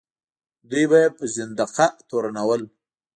دوی به یې په زندقه تورنول.